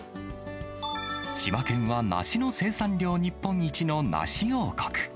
千葉県は梨の生産量日本一の梨王国。